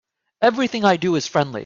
Everything I do is friendly.